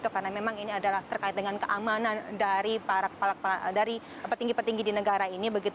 karena memang ini adalah terkait dengan keamanan dari petinggi petinggi di negara ini